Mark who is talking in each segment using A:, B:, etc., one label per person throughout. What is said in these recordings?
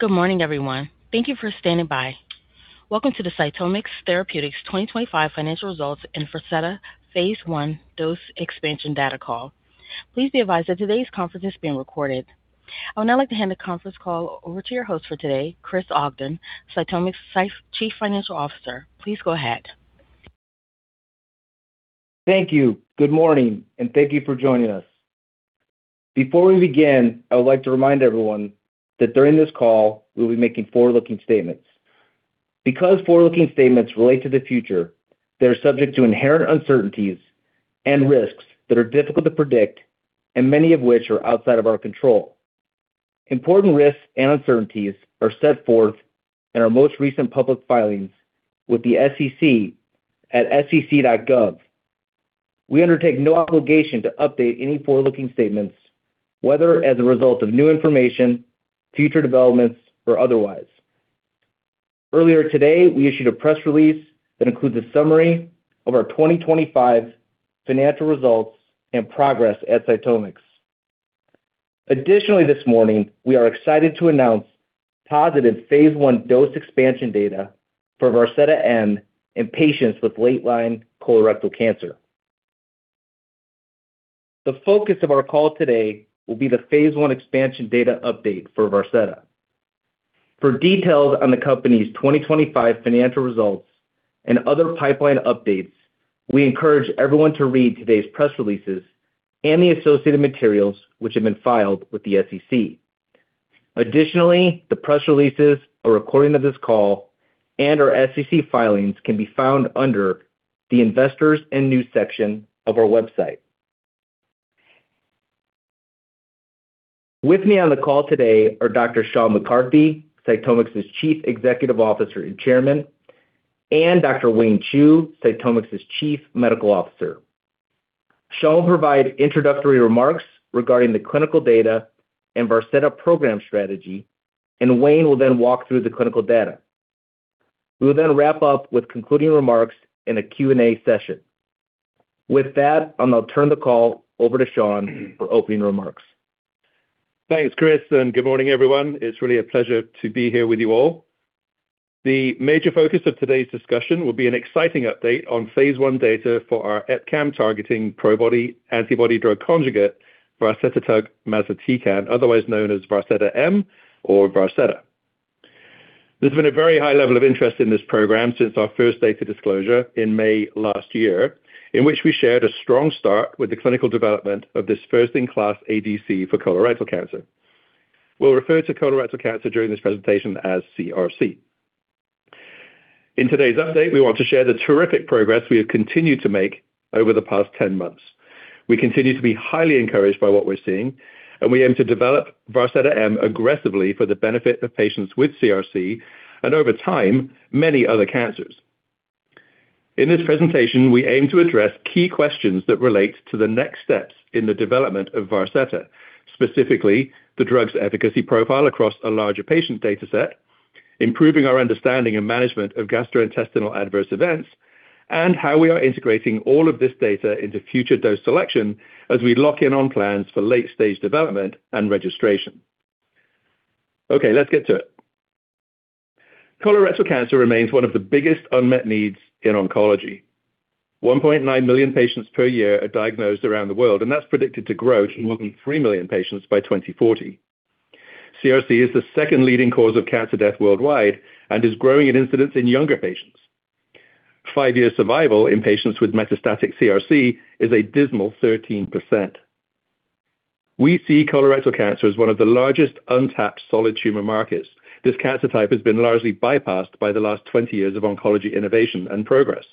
A: Good morning, everyone. Thank you for standing by. Welcome to the CytomX Therapeutics 2025 Financial Results and Varseta Phase I Dose Expansion Data Call. Please be advised that today's conference is being recorded. I would now like to hand the conference call over to your host for today, Chris Ogden, CytomX Chief Financial Officer. Please go ahead.
B: Thank you. Good morning, and thank you for joining us. Before we begin, I would like to remind everyone that during this call, we'll be making forward-looking statements. Because forward-looking statements relate to the future, they're subject to inherent uncertainties and risks that are difficult to predict and many of which are outside of our control. Important risks and uncertainties are set forth in our most recent public filings with the SEC at sec.gov. We undertake no obligation to update any forward-looking statements, whether as a result of new information, future developments, or otherwise. Earlier today, we issued a press release that includes a summary of our 2025 financial results and progress at CytomX. Additionally, this morning, we are excited to announce positive phase I dose expansion data for Varseta-M in patients with late-line colorectal cancer. The focus of our call today will be the phase I expansion data update for Varseta. For details on the company's 2025 financial results and other pipeline updates, we encourage everyone to read today's press releases and the associated materials which have been filed with the SEC. Additionally, the press releases, a recording of this call, and our SEC filings can be found under the Investors and News section of our website. With me on the call today are Dr. Sean McCarthy, CytomX's Chief Executive Officer and Chairman, and Dr. Wayne Chu, CytomX's Chief Medical Officer. Sean will provide introductory remarks regarding the clinical data and Varseta program strategy, and Wayne will then walk through the clinical data. We will then wrap up with concluding remarks in a Q&A session. With that, I'll now turn the call over to Sean for opening remarks.
C: Thanks, Chris, and good morning, everyone. It's really a pleasure to be here with you all. The major focus of today's discussion will be an exciting update on phase I data for our EpCAM-targeting Probody antibody-drug conjugate Varsetatug Masetecan, otherwise known as Varseta-M or Varseta. There's been a very high level of interest in this program since our first data disclosure in May last year, in which we shared a strong start with the clinical development of this first-in-class ADC for colorectal cancer. We'll refer to colorectal cancer during this presentation as CRC. In today's update, we want to share the terrific progress we have continued to make over the past 10 months. We continue to be highly encouraged by what we're seeing, and we aim to develop Varseta-M aggressively for the benefit of patients with CRC and over time, many other cancers. In this presentation, we aim to address key questions that relate to the next steps in the development of Varseta, specifically the drug's efficacy profile across a larger patient data set, improving our understanding and management of gastrointestinal adverse events, and how we are integrating all of this data into future dose selection as we lock in on plans for late-stage development and registration. Okay, let's get to it. Colorectal cancer remains one of the biggest unmet needs in oncology. 1.9 million patients per year are diagnosed around the world, and that's predicted to grow to more than 3 million patients by 2040. CRC is the second leading cause of cancer death worldwide and is growing in incidence in younger patients. Five-year survival in patients with metastatic CRC is a dismal 13%. We see colorectal cancer as one of the largest untapped solid tumor markets. This cancer type has been largely bypassed by the last 20 years of oncology innovation and progress.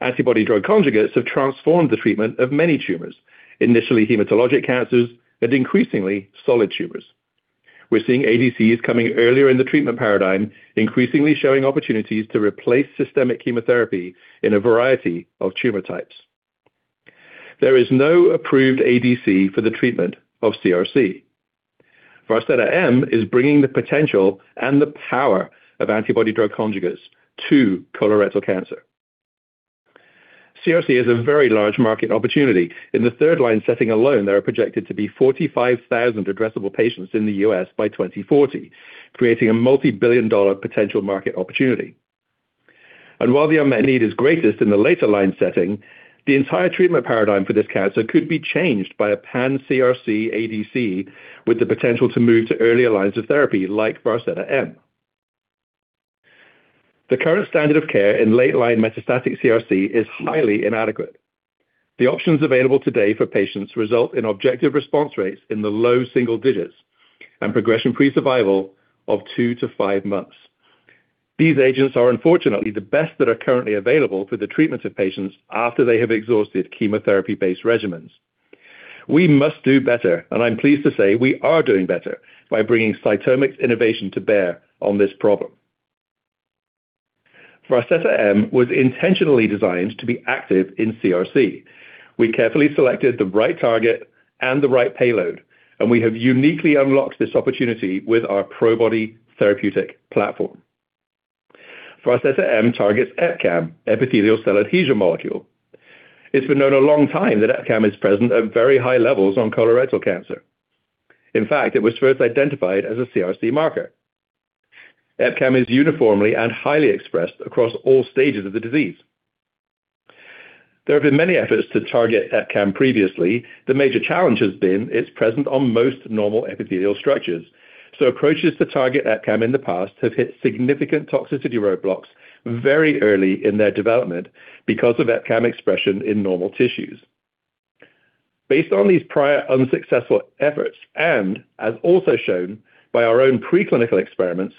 C: Antibody-drug conjugates have transformed the treatment of many tumors, initially hematologic cancers and increasingly solid tumors. We're seeing ADCs coming earlier in the treatment paradigm, increasingly showing opportunities to replace systemic chemotherapy in a variety of tumor types. There is no approved ADC for the treatment of CRC. Varseta-M is bringing the potential and the power of antibody-drug conjugates to colorectal cancer. CRC is a very large market opportunity. In the third-line setting alone, there are projected to be 45,000 addressable patients in the U.S. by 2040, creating a multibillion-dollar potential market opportunity. While the unmet need is greatest in the later line setting, the entire treatment paradigm for this cancer could be changed by a pan CRC ADC with the potential to move to earlier lines of therapy like Varseta-M. The current standard of care in late-line metastatic CRC is highly inadequate. The options available today for patients result in objective response rates in the low single digits and progression-free survival of two to five months. These agents are unfortunately the best that are currently available for the treatment of patients after they have exhausted chemotherapy-based regimens. We must do better, and I'm pleased to say we are doing better by bringing CytomX innovation to bear on this problem. Varseta-M was intentionally designed to be active in CRC. We carefully selected the right target and the right payload, and we have uniquely unlocked this opportunity with our Probody therapeutic platform. Varseta-M targets EpCAM, epithelial cell adhesion molecule. It's been known a long time that EpCAM is present at very high levels on colorectal cancer. In fact, it was first identified as a CRC marker. EpCAM is uniformly and highly expressed across all stages of the disease. There have been many efforts to target EpCAM previously. The major challenge has been it's present on most normal epithelial structures. So approaches to target EpCAM in the past have hit significant toxicity roadblocks very early in their development because of EpCAM expression in normal tissues. Based on these prior unsuccessful efforts, and as also shown by our own preclinical experiments,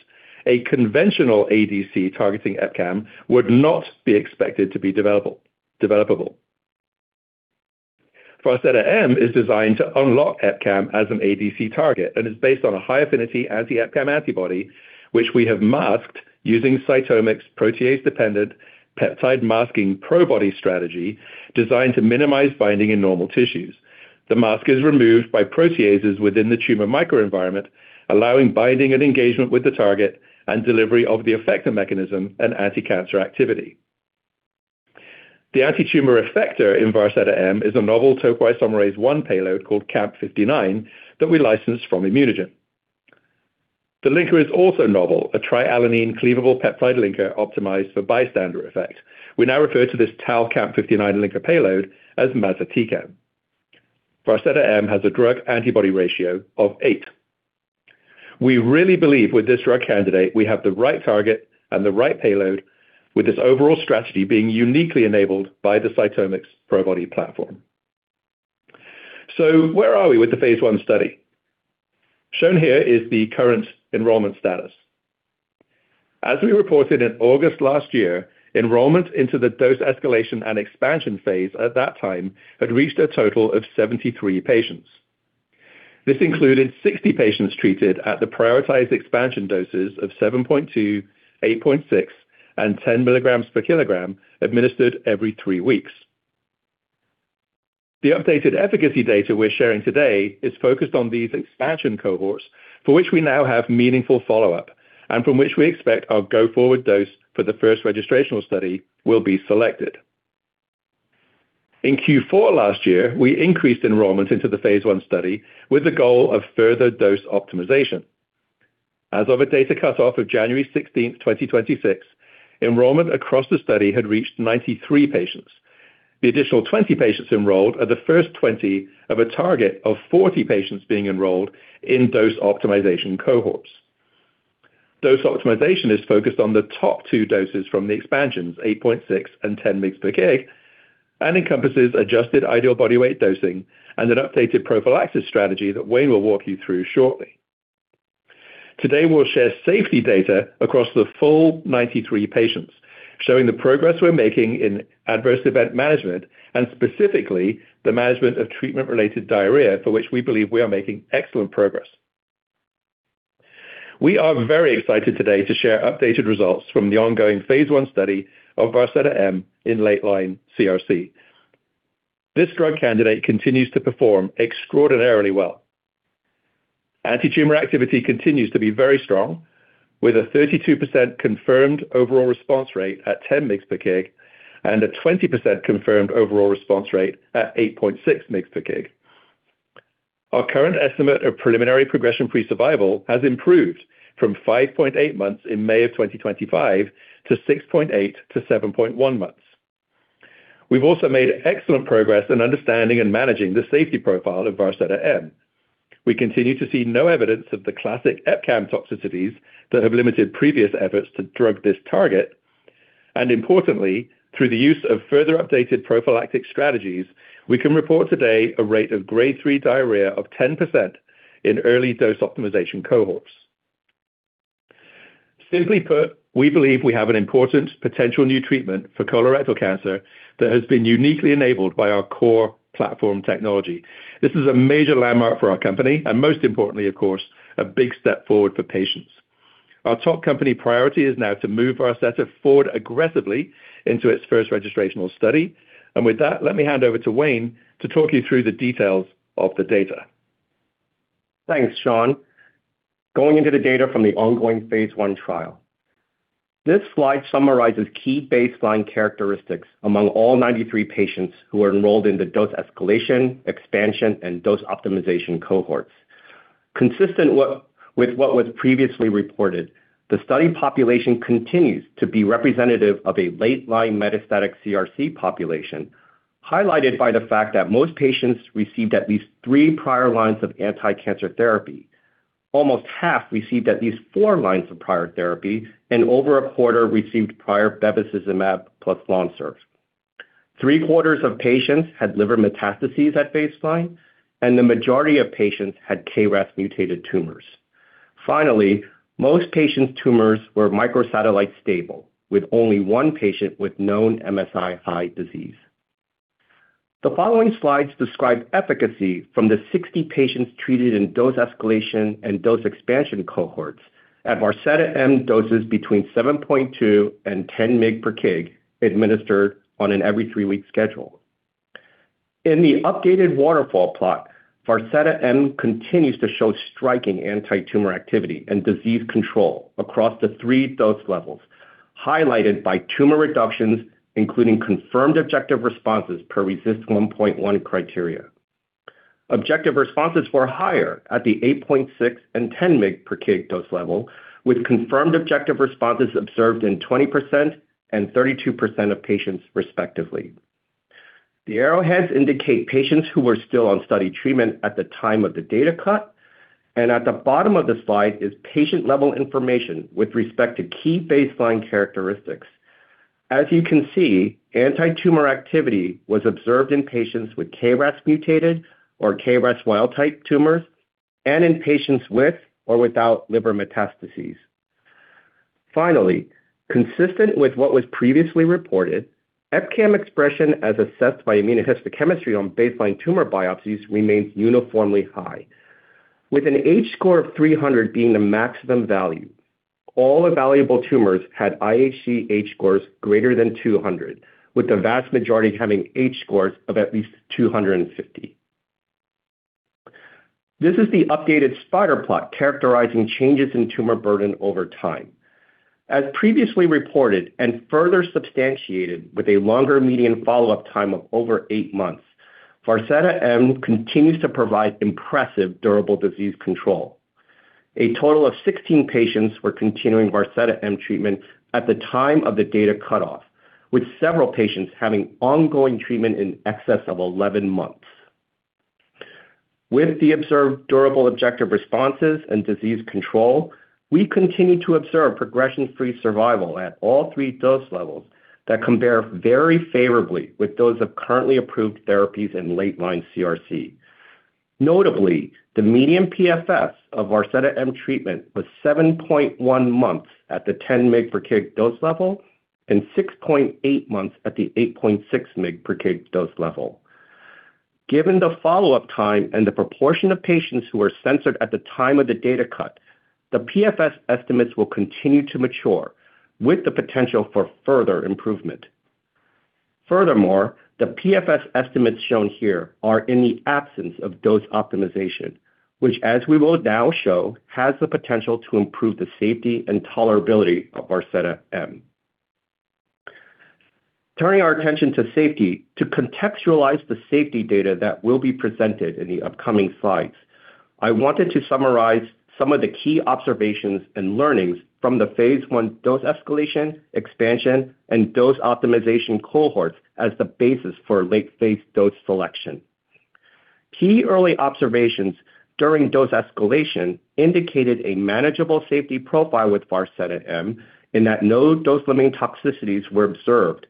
C: a conventional ADC targeting EpCAM would not be expected to be developable. Varseta-M is designed to unlock EpCAM as an ADC target and is based on a high-affinity anti-EpCAM antibody, which we have masked using CytomX's protease-dependent peptide masking Probody strategy designed to minimize binding in normal tissues. The mask is removed by proteases within the tumor microenvironment, allowing binding and engagement with the target and delivery of the effector mechanism and anticancer activity. The antitumor effector in Varseta-M is a novel topoisomerase I payload called CAMP59 that we licensed from ImmunoGen. The linker is also novel, a tri-alanine cleavable peptide linker optimized for bystander effect. We now refer to this TAL-CAMP59 linker payload as mazatecan. Varseta-M has a drug antibody ratio of eight. We really believe with this drug candidate, we have the right target and the right payload with this overall strategy being uniquely enabled by the CytomX Probody platform. Where are we with the phase I study? Shown here is the current enrollment status. As we reported in August last year, enrollment into the dose escalation and expansion phase at that time had reached a total of 73 patients. This included 60 patients treated at the prioritized expansion doses of 7.2 mg.kg, 8.6 mg/kg, and 10 mg/kg administered every three weeks. The updated efficacy data we're sharing today is focused on these expansion cohorts, for which we now have meaningful follow-up and from which we expect our go-forward dose for the first registrational study will be selected. In Q4 last year, we increased enrollment into the phase I study with the goal of further dose optimization. As of a data cutoff of January 16th, 2026, enrollment across the study had reached 93 patients. The additional 20 patients enrolled are the first 20 of a target of 40 patients being enrolled in dose optimization cohorts. Dose optimization is focused on the top two doses from the expansions, 8.6 mg/kg and 10 mg/kg, and encompasses adjusted ideal body weight dosing and an updated prophylaxis strategy that Wayne will walk you through shortly. Today, we'll share safety data across the full 93 patients, showing the progress we're making in adverse event management and specifically the management of treatment-related diarrhea, for which we believe we are making excellent progress. We are very excited today to share updated results from the ongoing phase I study of Varseta-M in late line CRC. This drug candidate continues to perform extraordinarily well. Antitumor activity continues to be very strong, with a 32% confirmed overall response rate at 10 mg/kg and a 20% confirmed overall response rate at 8.6 mg/kg. Our current estimate of preliminary progression-free survival has improved from 5.8 months in May of 2025 to 6.8 months-7.1 months. We've also made excellent progress in understanding and managing the safety profile of Varseta-M. We continue to see no evidence of the classic EpCAM toxicities that have limited previous efforts to drug this target. Importantly, through the use of further updated prophylactic strategies, we can report today a rate of grade 3 diarrhea of 10% in early dose optimization cohorts. Simply put, we believe we have an important potential new treatment for colorectal cancer that has been uniquely enabled by our core platform technology. This is a major landmark for our company and most importantly, of course, a big step forward for patients. Our top company priority is now to move Varseta forward aggressively into its first registrational study. With that, let me hand over to Wayne to talk you through the details of the data.
D: Thanks, Sean. Going into the data from the ongoing phase I trial. This slide summarizes key baseline characteristics among all 93 patients who are enrolled in the dose escalation, expansion, and dose optimization cohorts. Consistent with what was previously reported, the study population continues to be representative of a late-line metastatic CRC population, highlighted by the fact that most patients received at least three prior lines of anticancer therapy. Almost half received at least four lines of prior therapy, and over a quarter received prior bevacizumab plus Lonsurf. Three-quarters of patients had liver metastases at baseline, and the majority of patients had KRAS-mutated tumors. Finally, most patients' tumors were microsatellite stable, with only one patient with known MSI-high disease. The following slides describe efficacy from the 60 patients treated in dose escalation and dose expansion cohorts at Varseta-M doses between 7.2 mg/kg and 10 mg/kg administered on an every three-week schedule. In the updated waterfall plot, Varseta-M continues to show striking antitumor activity and disease control across the three dose levels, highlighted by tumor reductions, including confirmed objective responses per RECIST 1.1 criteria. Objective responses were higher at the 8.6 mg/kg and 10 mg/kg dose level, with confirmed objective responses observed in 20% and 32% of patients respectively. The arrowheads indicate patients who were still on study treatment at the time of the data cut, and at the bottom of the slide is patient-level information with respect to key baseline characteristics. As you can see, antitumor activity was observed in patients with KRAS mutated or KRAS wild-type tumors and in patients with or without liver metastases. Finally, consistent with what was previously reported, EpCAM expression as assessed by immunohistochemistry on baseline tumor biopsies remains uniformly high, with an H-score of 300 being the maximum value. All evaluable tumors had IHC H-scores greater than 200, with the vast majority having H-scores of at least 250. This is the updated spider plot characterizing changes in tumor burden over time. As previously reported and further substantiated with a longer median follow-up time of over eight months, Varseta-M continues to provide impressive durable disease control. A total of 16 patients were continuing Varseta-M treatment at the time of the data cut-off, with several patients having ongoing treatment in excess of 11 months. With the observed durable objective responses and disease control, we continue to observe progression-free survival at all three dose levels that compare very favorably with those of currently approved therapies in late-line CRC. Notably, the median PFS of Varseta-M treatment was 7.1 months at the 10 mg/kg dose level and 6.8 months at the 8.6 mg/kg dose level. Given the follow-up time and the proportion of patients who were censored at the time of the data cut, the PFS estimates will continue to mature with the potential for further improvement. Furthermore, the PFS estimates shown here are in the absence of dose optimization, which, as we will now show, has the potential to improve the safety and tolerability of Varseta-M. Turning our attention to safety, to contextualize the safety data that will be presented in the upcoming slides, I wanted to summarize some of the key observations and learnings from the phase I dose escalation, expansion, and dose optimization cohorts as the basis for late phase dose selection. Key early observations during dose escalation indicated a manageable safety profile with Varseta-M in that no dose-limiting toxicities were observed.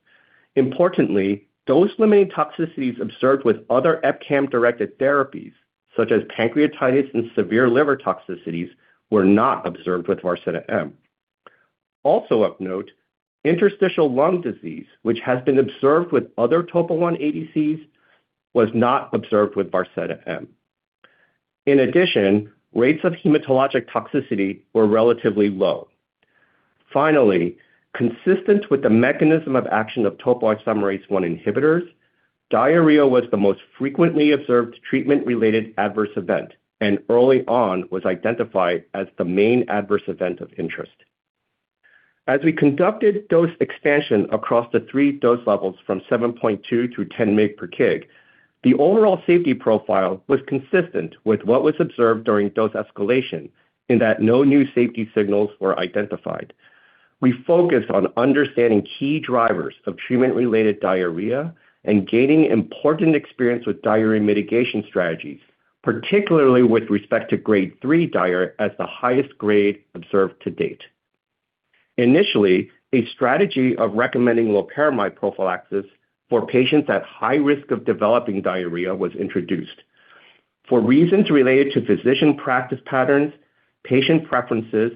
D: Importantly, dose-limiting toxicities observed with other EpCAM-directed therapies, such as pancreatitis and severe liver toxicities, were not observed with Varseta-M. Also of note, interstitial lung disease, which has been observed with other TOP1 ADCs, was not observed with Varseta-M. In addition, rates of hematologic toxicity were relatively low. Finally, consistent with the mechanism of action of topoisomerase I inhibitors, diarrhea was the most frequently observed treatment-related adverse event and early on was identified as the main adverse event of interest. As we conducted dose expansion across the three dose levels from 7.2 mg/kg to 10 mg/kg, the overall safety profile was consistent with what was observed during dose escalation in that no new safety signals were identified. We focused on understanding key drivers of treatment-related diarrhea and gaining important experience with diarrhea mitigation strategies, particularly with respect to grade 3 diarrhea as the highest grade observed to date. Initially, a strategy of recommending loperamide prophylaxis for patients at high risk of developing diarrhea was introduced. For reasons related to physician practice patterns, patient preferences,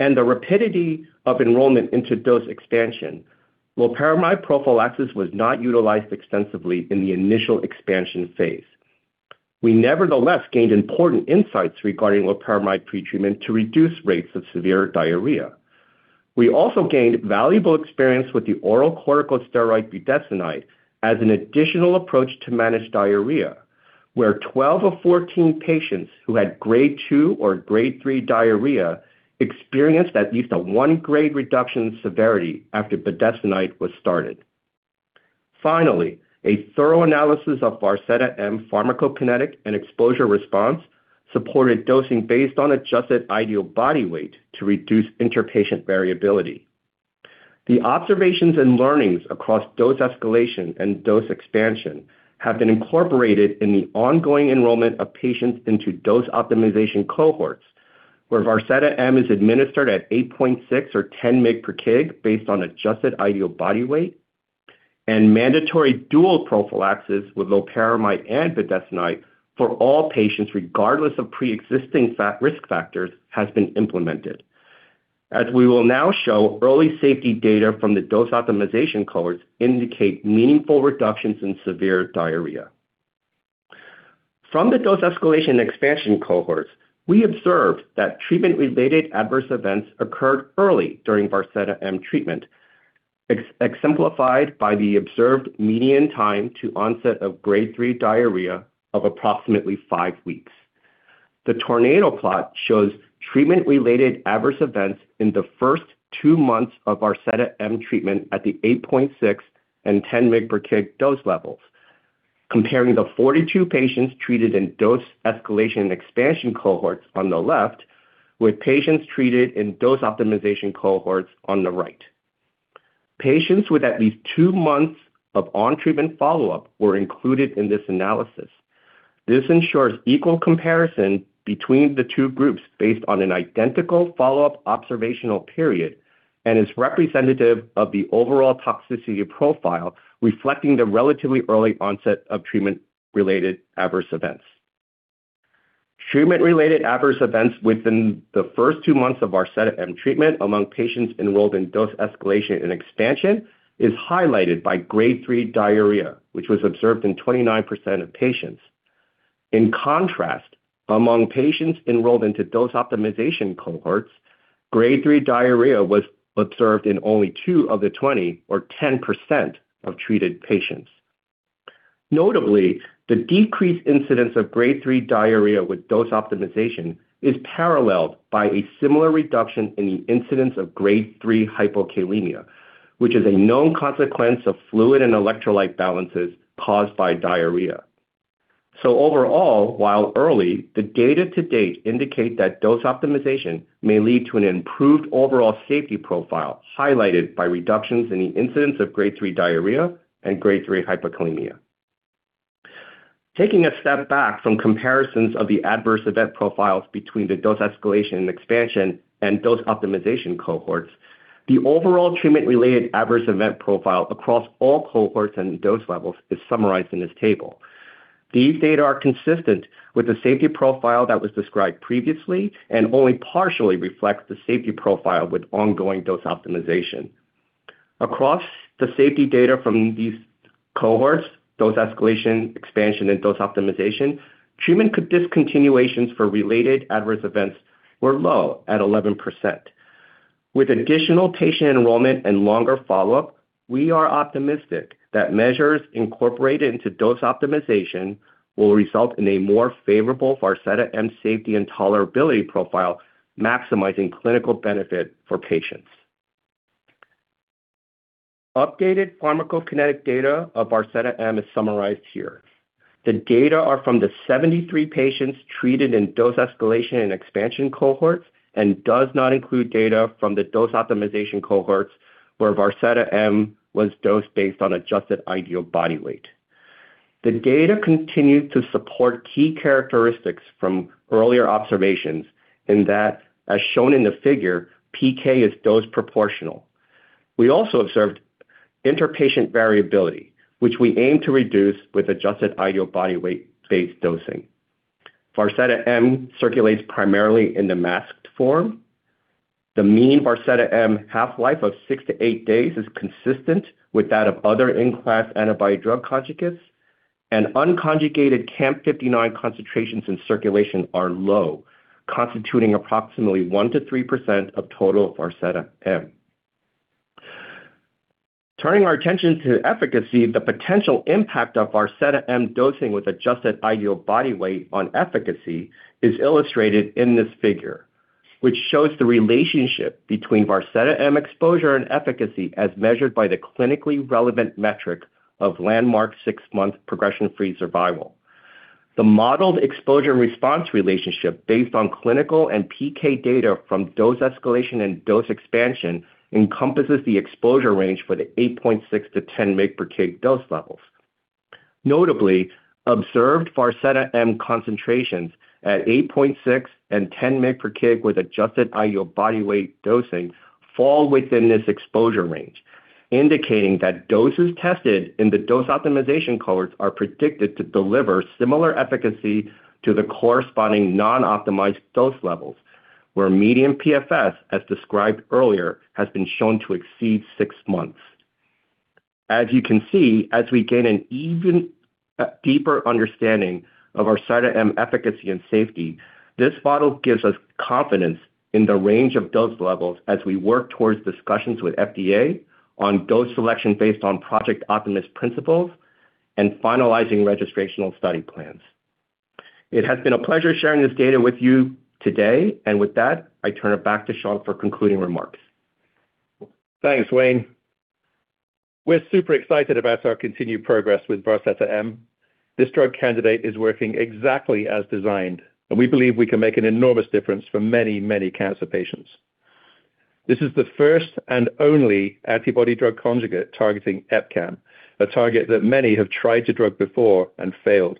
D: and the rapidity of enrollment into dose expansion, loperamide prophylaxis was not utilized extensively in the initial expansion phase. We nevertheless gained important insights regarding loperamide pretreatment to reduce rates of severe diarrhea. We also gained valuable experience with the oral corticosteroid budesonide as an additional approach to manage diarrhea, where 12 of 14 patients who had grade 2 or grade 3 diarrhea experienced at least a one-grade reduction in severity after budesonide was started. Finally, a thorough analysis of Varseta-M pharmacokinetics and exposure-response supported dosing based on adjusted ideal body weight to reduce interpatient variability. The observations and learnings across dose escalation and dose expansion have been incorporated in the ongoing enrollment of patients into dose optimization cohorts, where Varseta-M is administered at 8.6 mg/kg or 10 mg/kg based on adjusted ideal body weight and mandatory dual prophylaxis with loperamide and budesonide for all patients, regardless of preexisting risk factors, has been implemented. As we will now show, early safety data from the dose optimization cohorts indicate meaningful reductions in severe diarrhea. From the dose escalation expansion cohorts, we observed that treatment-related adverse events occurred early during Varseta-M treatment, exemplified by the observed median time to onset of grade 3 diarrhea of approximately five weeks. The tornado plot shows treatment-related adverse events in the first two months of Varseta-M treatment at the 8.6 mg/kg and 10 mg/kg dose levels, comparing the 42 patients treated in dose escalation and expansion cohorts on the left with patients treated in dose optimization cohorts on the right. Patients with at least two months of on-treatment follow-up were included in this analysis. This ensures equal comparison between the two groups based on an identical follow-up observational period and is representative of the overall toxicity profile, reflecting the relatively early onset of treatment-related adverse events. Treatment-related adverse events within the first two months of Varseta-M treatment among patients enrolled in dose escalation and expansion is highlighted by grade 3 diarrhea, which was observed in 29% of patients. In contrast, among patients enrolled into dose optimization cohorts, grade 3 diarrhea was observed in only two of the 20 or 10% of treated patients. Notably, the decreased incidence of grade 3 diarrhea with dose optimization is paralleled by a similar reduction in the incidence of grade 3 hypokalemia, which is a known consequence of fluid and electrolyte imbalances caused by diarrhea. Overall, while early, the data to date indicate that dose optimization may lead to an improved overall safety profile, highlighted by reductions in the incidence of grade 3 diarrhea and grade 3 hypokalemia. Taking a step back from comparisons of the adverse event profiles between the dose escalation and expansion and dose optimization cohorts, the overall treatment-related adverse event profile across all cohorts and dose levels is summarized in this table. These data are consistent with the safety profile that was described previously and only partially reflects the safety profile with ongoing dose optimization. Across the safety data from these cohorts, dose escalation, expansion, and dose optimization, treatment discontinuations for related adverse events were low at 11%. With additional patient enrollment and longer follow-up, we are optimistic that measures incorporated into dose optimization will result in a more favorable Varseta-M safety and tolerability profile, maximizing clinical benefit for patients. Updated pharmacokinetic data of Varseta-M is summarized here. The data are from the 73 patients treated in dose escalation and expansion cohorts and does not include data from the dose optimization cohorts where Varseta-M was dosed based on adjusted ideal body weight. The data continue to support key characteristics from earlier observations in that, as shown in the figure, PK is dose proportional. We also observed interpatient variability, which we aim to reduce with adjusted ideal body weight-based dosing. Varseta-M circulates primarily in the masked form. The mean Varseta-M half-life of six to eight days is consistent with that of other in-class antibody-drug conjugates, and unconjugated CAMP59 concentrations in circulation are low, constituting approximately 1%-3% of total Varseta-M. Turning our attention to efficacy, the potential impact of Varseta-M dosing with adjusted ideal body weight on efficacy is illustrated in this figure, which shows the relationship between Varseta-M exposure and efficacy as measured by the clinically relevant metric of landmark six-month progression-free survival. The modeled exposure and response relationship based on clinical and PK data from dose escalation and dose expansion encompasses the exposure range for the 8.6 mg/kg-10 mg/kg dose levels. Notably, observed Varseta-M concentrations at 8.6 mg/kg and 10 mg/kg with adjusted ideal body weight dosing fall within this exposure range, indicating that doses tested in the dose optimization cohorts are predicted to deliver similar efficacy to the corresponding non-optimized dose levels, where median PFS, as described earlier, has been shown to exceed six months. As you can see, as we gain an even deeper understanding of our Varseta-M efficacy and safety, this model gives us confidence in the range of dose levels as we work towards discussions with FDA on dose selection based on Project Optimus principles and finalizing registrational study plans. It has been a pleasure sharing this data with you today. With that, I turn it back to Sean for concluding remarks.
C: Thanks, Wayne. We're super excited about our continued progress with Varseta-M. This drug candidate is working exactly as designed, and we believe we can make an enormous difference for many, many cancer patients. This is the first and only antibody-drug conjugate targeting EpCAM, a target that many have tried to drug before and failed.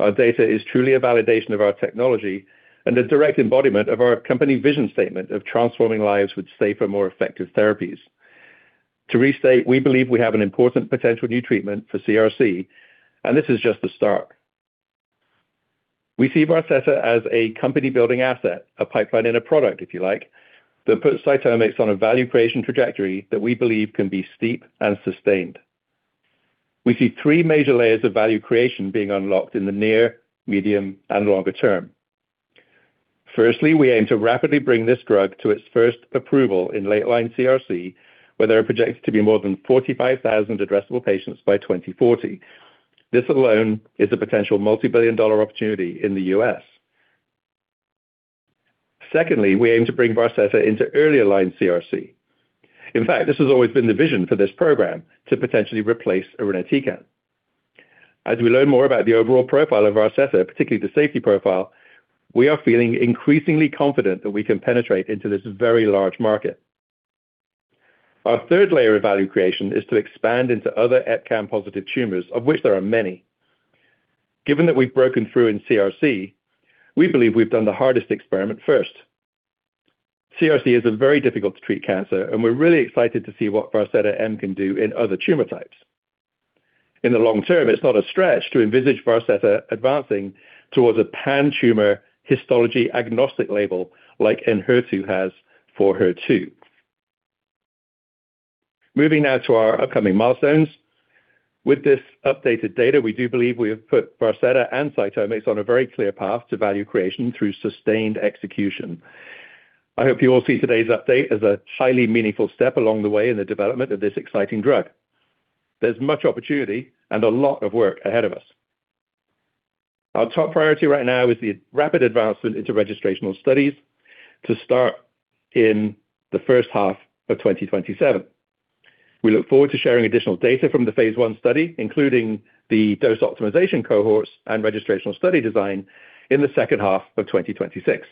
C: Our data is truly a validation of our technology and a direct embodiment of our company vision statement of transforming lives with safer, more effective therapies. To restate, we believe we have an important potential new treatment for CRC, and this is just the start. We see Varseta as a company building asset, a pipeline in a product, if you like, that puts CytomX on a value creation trajectory that we believe can be steep and sustained. We see three major layers of value creation being unlocked in the near, medium, and longer term. Firstly, we aim to rapidly bring this drug to its first approval in late-line CRC, where there are projected to be more than 45,000 addressable patients by 2040. This alone is a potential multi-billion-dollar opportunity in the U.S. Secondly, we aim to bring Varseta-M into early line CRC. In fact, this has always been the vision for this program to potentially replace irinotecan. As we learn more about the overall profile of Varseta-M, particularly the safety profile, we are feeling increasingly confident that we can penetrate into this very large market. Our third layer of value creation is to expand into other EpCAM-positive tumors, of which there are many. Given that we've broken through in CRC, we believe we've done the hardest experiment first. CRC is a very difficult-to-treat cancer, and we're really excited to see what Varseta-M can do in other tumor types. In the long term, it's not a stretch to envisage Varseta advancing towards a pan-tumor histology agnostic label like Enhertu has for HER2. Moving now to our upcoming milestones. With this updated data, we do believe we have put Varseta and CytomX on a very clear path to value creation through sustained execution. I hope you all see today's update as a highly meaningful step along the way in the development of this exciting drug. There's much opportunity and a lot of work ahead of us. Our top priority right now is the rapid advancement into registrational studies to start in the H1 of 2027. We look forward to sharing additional data from the phase I study, including the dose optimization cohorts and registrational study design in the H2 of 2026.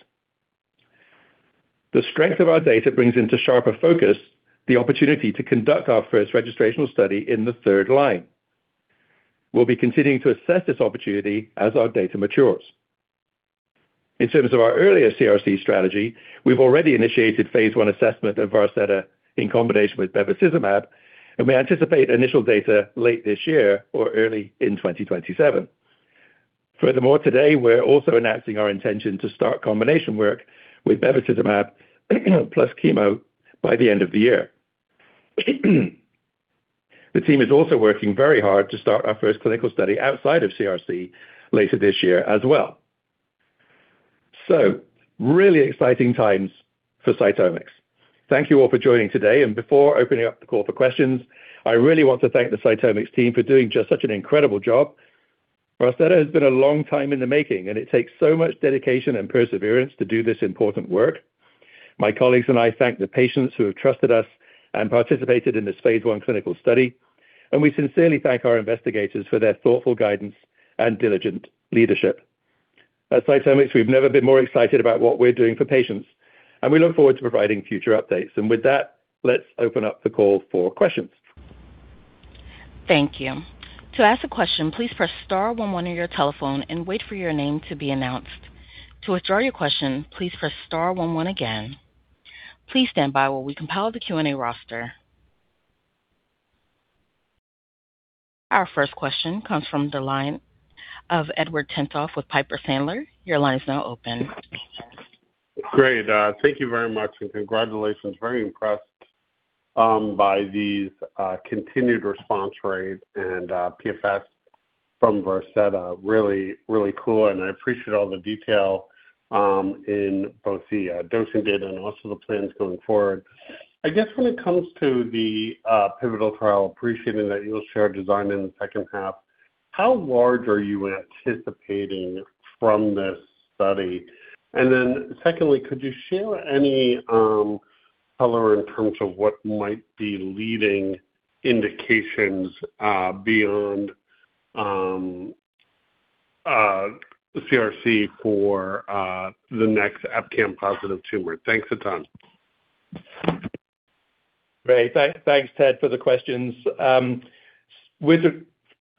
C: The strength of our data brings into sharper focus the opportunity to conduct our first registrational study in the third line. We'll be continuing to assess this opportunity as our data matures. In terms of our earlier CRC strategy, we've already initiated phase I assessment of Varseta in combination with bevacizumab, and we anticipate initial data late this year or early in 2027. Furthermore, today, we're also announcing our intention to start combination work with bevacizumab plus chemo by the end of the year. The team is also working very hard to start our first clinical study outside of CRC later this year as well. So really exciting times for CytomX. Thank you all for joining today. Before opening up the call for questions, I really want to thank the CytomX team for doing just such an incredible job. Varseta has been a long time in the making, and it takes so much dedication and perseverance to do this important work. My colleagues and I thank the patients who have trusted us and participated in this phase I clinical study, and we sincerely thank our investigators for their thoughtful guidance and diligent leadership. At CytomX, we've never been more excited about what we're doing for patients, and we look forward to providing future updates. With that, let's open up the call for questions.
A: Thank you. To ask a question, please press star one one on your telephone and wait for your name to be announced. To withdraw your question, please press star one one again. Please stand by while we compile the Q&A roster. Our first question comes from the line of Edward Tenthoff with Piper Sandler. Your line is now open.
E: Great. Thank you very much, and congratulations. Very impressed by these continued response rates and PFS from Varseta. Really cool, and I appreciate all the detail in both the dosing data and also the plans going forward. I guess when it comes to the pivotal trial, appreciating that you'll share design in the H2, how large are you anticipating from this study? And then secondly, could you share any color in terms of what might be leading indications beyond the CRC for the next EpCAM positive tumor? Thanks a ton.
C: Thanks, Ted, for the questions.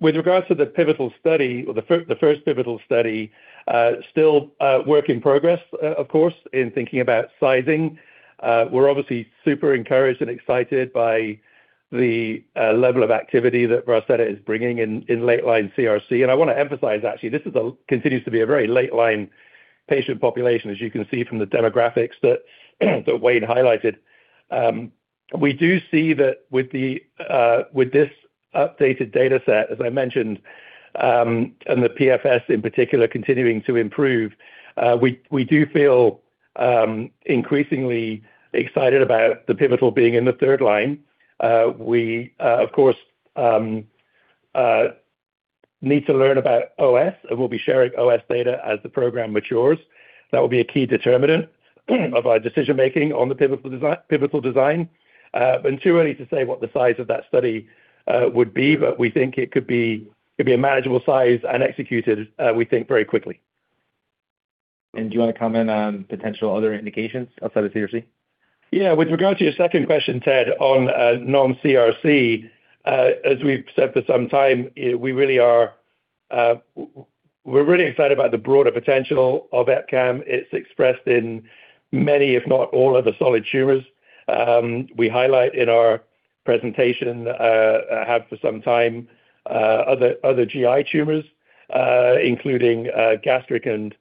C: With regards to the pivotal study or the first pivotal study, still a work in progress, of course, in thinking about sizing. We're obviously super encouraged and excited by the level of activity that Varseta is bringing in late line CRC. I wanna emphasize, actually, this continues to be a very late line patient population, as you can see from the demographics that Wayne highlighted. We do see that with this updated dataset, as I mentioned, and the PFS in particular continuing to improve, we do feel increasingly excited about the pivotal being in the third line. We of course need to learn about OS, and we'll be sharing OS data as the program matures. That will be a key determinant of our decision-making on the pivotal design. Too early to say what the size of that study would be, but we think it could be a manageable size and executed very quickly.
B: Do you wanna comment on potential other indications outside of CRC?
C: Yeah. With regard to your second question, Ted, on non-CRC, as we've said for some time, we really are, we're really excited about the broader potential of EpCAM. It's expressed in many, if not all, of the solid tumors. We highlight in our presentation have for some time other GI tumors including gastric and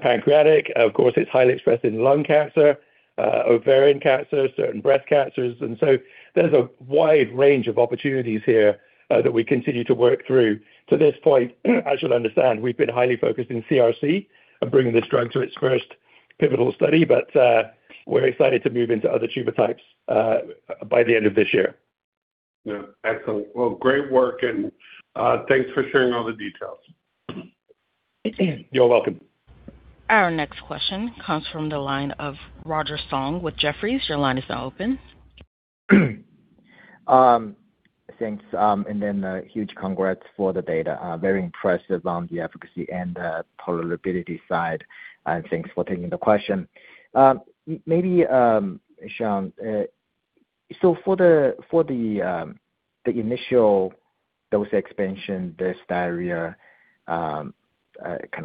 C: pancreatic. Of course, it's highly expressed in lung cancer, ovarian cancer, certain breast cancers. There's a wide range of opportunities here that we continue to work through. To this point, as you'll understand, we've been highly focused in CRC and bringing this drug to its first pivotal study. We're excited to move into other tumor types by the end of this year.
E: Yeah. Excellent. Well, great work and thanks for sharing all the details.
C: You're welcome.
A: Our next question comes from the line of Roger Song with Jefferies. Your line is now open.
F: Thanks. Then a huge congrats for the data. Very impressive on the efficacy and the tolerability side. Thanks for taking the question. Maybe, Sean, so for the initial dose expansion, this diarrhea kind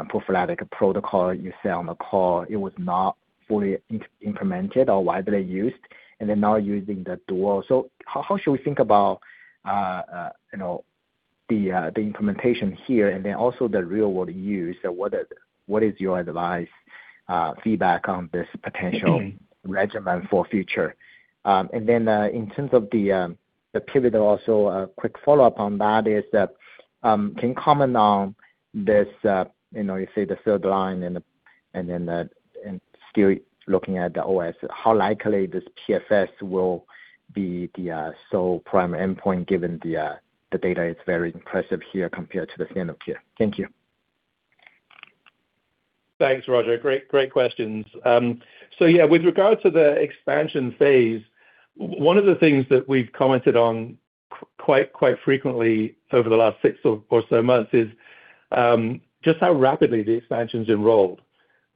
F: of prophylactic protocol you said on the call, it was not fully implemented or widely used, and they're now using the dual. How should we think about, you know, the implementation here and then also the real-world use? What is your advice, feedback on this potential regimen for future? Then, in terms of the pivotal also, a quick follow-up on that is that, can comment on this, you know, you say the third line and then the. Still looking at the OS, how likely this PFS will be the sole primary endpoint given the data is very impressive here compared to the standard of care? Thank you.
C: Thanks, Roger. Great questions. Yeah, with regard to the expansion phase, one of the things that we've commented on quite frequently over the last six or so months is just how rapidly the expansions enrolled.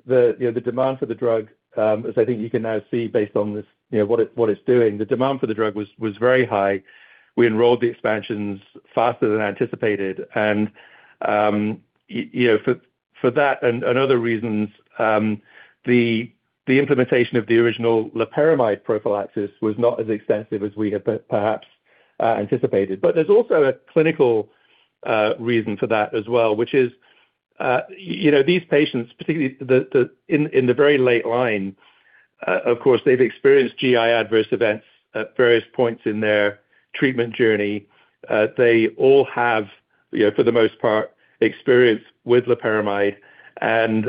C: You know, the demand for the drug, as I think you can now see based on this, you know, what it's doing. The demand for the drug was very high. We enrolled the expansions faster than anticipated. You know, for that and other reasons, the implementation of the original loperamide prophylaxis was not as extensive as we had perhaps anticipated. There's also a clinical reason for that as well, which is, you know, these patients, particularly in the very late line, of course, they've experienced GI adverse events at various points in their treatment journey. They all have, you know, for the most part, experience with loperamide and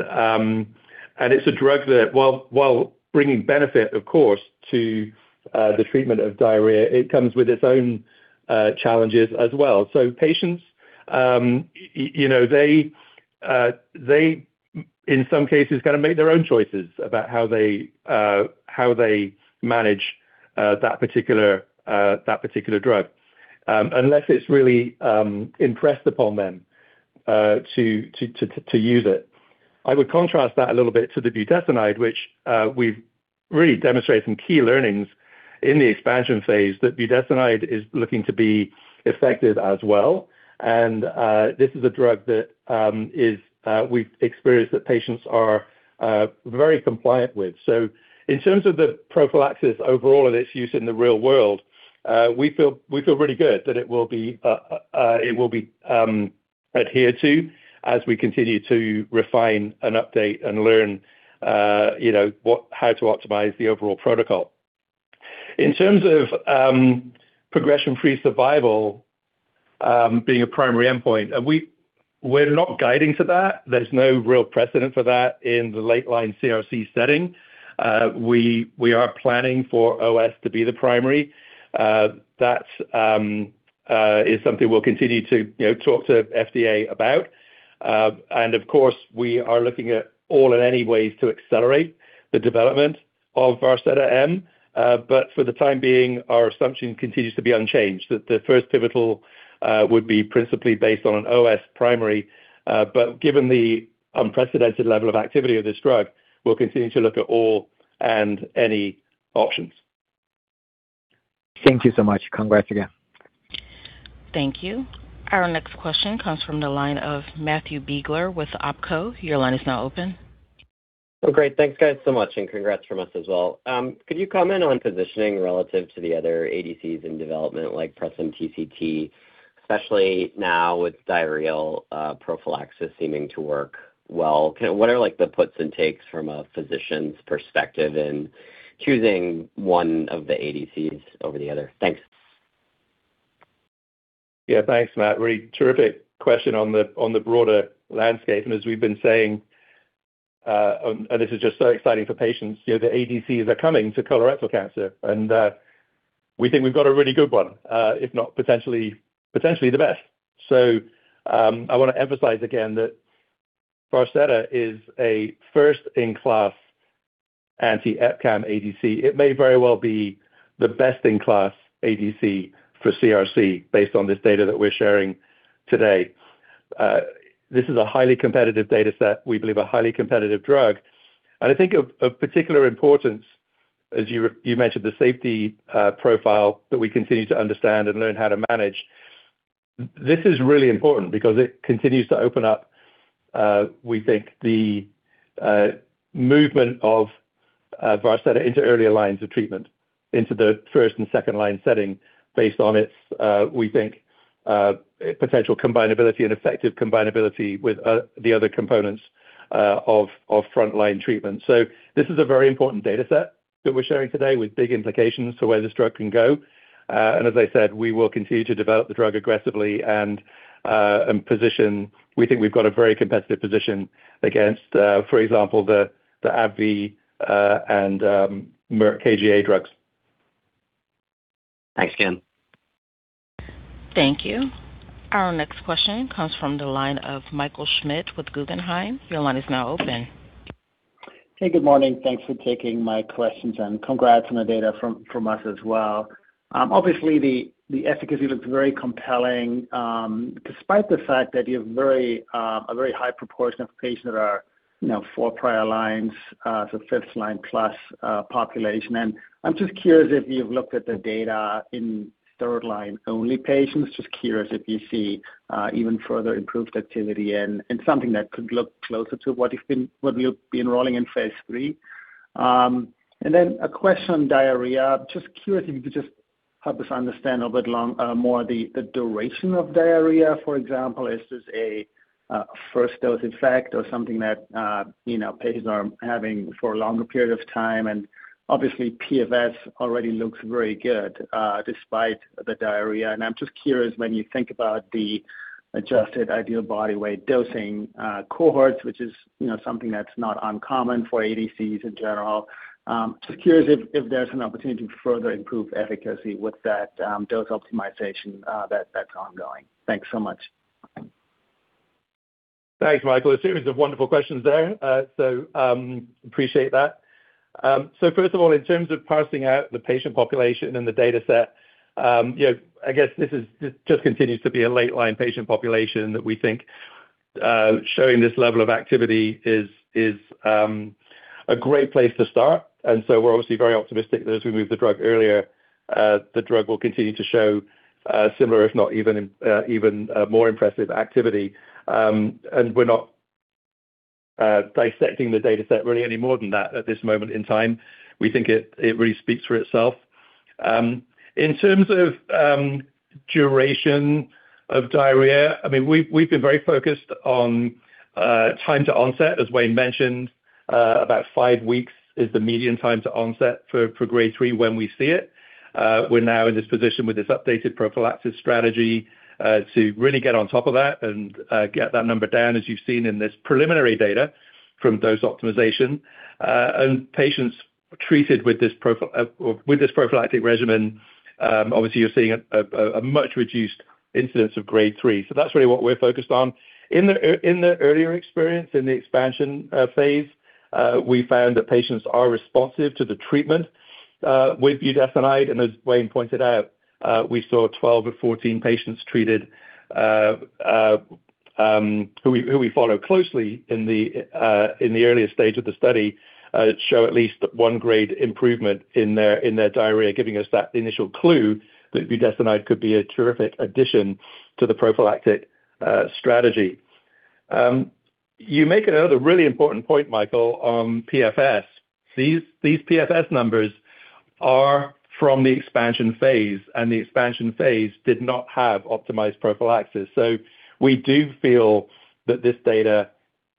C: it's a drug that while bringing benefit, of course, to the treatment of diarrhea, it comes with its own challenges as well. Patients, you know, they in some cases gonna make their own choices about how they manage that particular drug. Unless it's really impressed upon them to use it. I would contrast that a little bit to the budesonide, which we've really demonstrated some key learnings in the expansion phase that budesonide is looking to be effective as well. This is a drug that we've experienced that patients are very compliant with. In terms of the prophylaxis overall and its use in the real world, we feel really good that it will be adhered to as we continue to refine and update and learn, you know, how to optimize the overall protocol. In terms of progression-free survival being a primary endpoint, we're not guiding to that. There's no real precedent for that in the late line CRC setting. We are planning for OS to be the primary. That is something we'll continue to, you know, talk to FDA about. Of course, we are looking at all and any ways to accelerate the development of Varseta-M. For the time being, our assumption continues to be unchanged, that the first pivotal would be principally based on an OS primary. Given the unprecedented level of activity of this drug, we'll continue to look at all and any options.
F: Thank you so much. Congrats again.
A: Thank you. Our next question comes from the line of Matthew Biegler with OpCo. Your line is now open.
G: Oh, great. Thanks, guys so much, and congrats from us as well. Could you comment on positioning relative to the other ADCs in development like Enhertu, especially now with diarrheal prophylaxis seeming to work well? What are like the puts and takes from a physician's perspective in choosing one of the ADCs over the other? Thanks.
C: Yeah. Thanks, Matt. Really terrific question on the broader landscape. As we've been saying, this is just so exciting for patients, you know, the ADCs are coming to colorectal cancer, and we think we've got a really good one, if not potentially the best. I wanna emphasize again that Varseta-M is a first-in-class anti-EpCAM ADC. It may very well be the best-in-class ADC for CRC based on this data that we're sharing today. This is a highly competitive data set. We believe a highly competitive drug. I think of particular importance, as you mentioned, the safety profile that we continue to understand and learn how to manage. This is really important because it continues to open up, we think the movement of Varseta into earlier lines of treatment into the first- and second-line setting based on its, we think, potential combinability and effective combinability with the other components of frontline treatment. This is a very important data set that we're sharing today with big implications for where this drug can go. As I said, we will continue to develop the drug aggressively and position. We think we've got a very competitive position against, for example, the AbbVie and Merck KGaA drugs.
G: Thanks, Sean.
A: Thank you. Our next question comes from the line of Michael Schmidt with Guggenheim. Your line is now open.
H: Hey, good morning. Thanks for taking my questions, and congrats on the data from us as well. Obviously the efficacy looks very compelling, despite the fact that you have a very high proportion of patients that are, you know, four prior lines, so fifth-line plus population. I'm just curious if you've looked at the data in third-line only patients. Just curious if you see even further improved activity and something that could look closer to what you'll be enrolling in phase three. A question on diarrhea. Just curious if you could just help us understand a bit more the duration of diarrhea, for example. Is this a first dose effect or something that, you know, patients are having for a longer period of time? Obviously PFS already looks very good, despite the diarrhea. I'm just curious when you think about the adjusted ideal body weight dosing cohorts, which is, you know, something that's not uncommon for ADCs in general. Just curious if there's an opportunity to further improve efficacy with that dose optimization that's ongoing. Thanks so much.
C: Thanks, Michael. A series of wonderful questions there. Appreciate that. First of all, in terms of parsing out the patient population and the dataset, you know, I guess this is just continues to be a late line patient population that we think showing this level of activity is a great place to start. We're obviously very optimistic that as we move the drug earlier, the drug will continue to show similar if not even more impressive activity. We're not dissecting the dataset really any more than that at this moment in time. We think it really speaks for itself. In terms of duration of diarrhea, I mean, we've been very focused on time to onset, as Wayne mentioned. About five weeks is the median time to onset for grade three when we see it. We're now in this position with this updated prophylactic strategy to really get on top of that and get that number down, as you've seen in this preliminary data from dose optimization. Patients treated with this prophylactic regimen, obviously you're seeing a much reduced incidence of grade 3. That's really what we're focused on. In the earlier experience, in the expansion phase, we found that patients are responsive to the treatment with budesonide. As Wayne pointed out, we saw 12 of 14 patients treated, who we follow closely in the earliest stage of the study, show at least one grade improvement in their diarrhea, giving us that initial clue that budesonide could be a terrific addition to the prophylactic strategy. You make another really important point, Michael, on PFS. These PFS numbers are from the expansion phase, and the expansion phase did not have optimized prophylaxis. We do feel that this data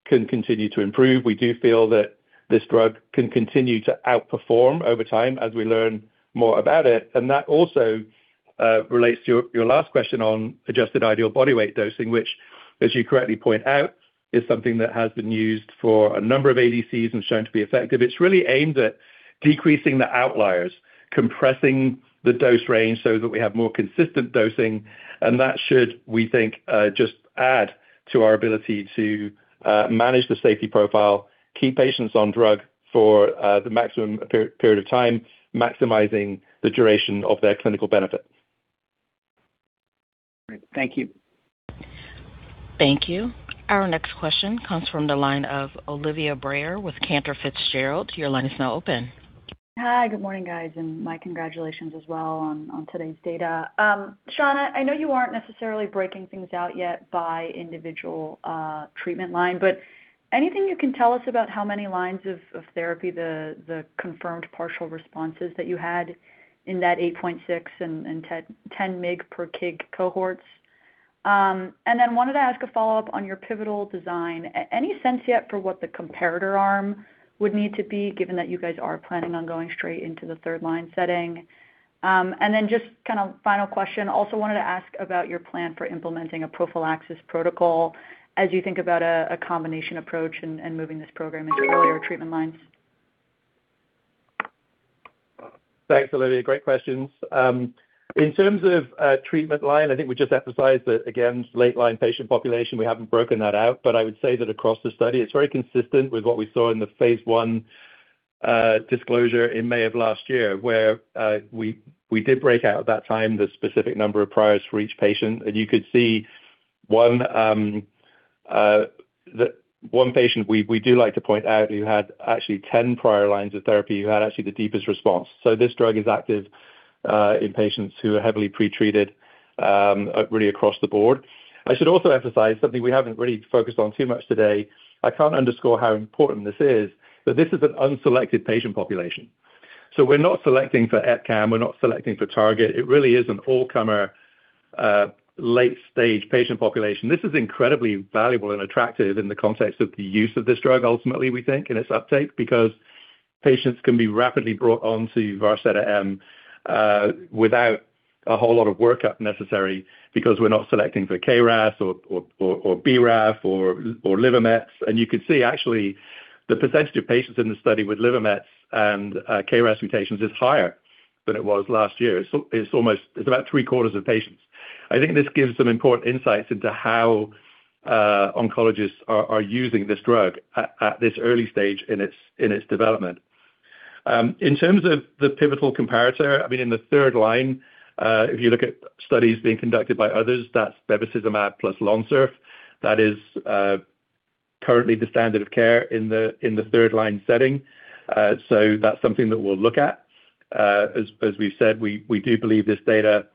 C: can continue to improve. We do feel that this drug can continue to outperform over time as we learn more about it. That also relates to your last question on adjusted ideal body weight dosing, which as you correctly point out, is something that has been used for a number of ADCs and shown to be effective. It's really aimed at decreasing the outliers, compressing the dose range so that we have more consistent dosing. That should, we think, just add to our ability to manage the safety profile, keep patients on drug for the maximum period of time, maximizing the duration of their clinical benefits.
H: All right. Thank you.
A: Thank you. Our next question comes from the line of Olivia Brayer with Cantor Fitzgerald. Your line is now open.
I: Hi. Good morning, guys, and my congratulations as well on today's data. Sean, I know you aren't necessarily breaking things out yet by individual treatment line, but anything you can tell us about how many lines of therapy the confirmed partial responses that you had in that 8.6 mg/kg and 10 mg/kg cohorts? And then wanted to ask a follow-up on your pivotal design. Any sense yet for what the comparator arm would need to be, given that you guys are planning on going straight into the third line setting? And then just kind of final question. Also wanted to ask about your plan for implementing a prophylaxis protocol as you think about a combination approach and moving this program into earlier treatment lines.
C: Thanks, Olivia. Great questions. In terms of treatment line, I think we just emphasized that again, late line patient population, we haven't broken that out. I would say that across the study it's very consistent with what we saw in the phase I disclosure in May of last year, where we did break out at that time the specific number of priors for each patient. You could see one, the one patient we do like to point out who had actually 10 prior lines of therapy, who had actually the deepest response. This drug is active in patients who are heavily pretreated, really across the board. I should also emphasize something we haven't really focused on too much today. I can't underscore how important this is that this is an unselected patient population. We're not selecting for EpCAM, we're not selecting for target. It really is an all-comer, late-stage patient population. This is incredibly valuable and attractive in the context of the use of this drug ultimately, we think, in its uptake, because patients can be rapidly brought onto Varseta-M, without a whole lot of workup necessary because we're not selecting for KRAS or BRAF or liver mets. You can see actually the percentage of patients in the study with liver mets and KRAS mutations is higher than it was last year. It's almost—it's about three-quarters of patients. I think this gives some important insights into how oncologists are using this drug at this early stage in its development. In terms of the pivotal comparator, I mean, in the third-line, if you look at studies being conducted by others, that's bevacizumab plus Lonsurf. That is currently the standard of care in the third-line setting. So that's something that we'll look at. As we've said, we do believe this data